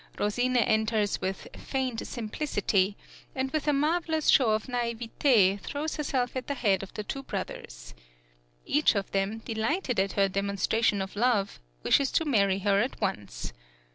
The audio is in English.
Rosine enters with 'feigned simplicity,' and with a marvellous show of naïveté throws herself at the head of the two brothers. Each of them, delighted at her demonstration of love, wishes to marry her at once.